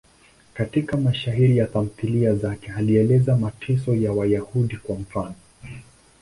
Katika mashairi na tamthiliya zake alieleza mateso ya Wayahudi, kwa mfano.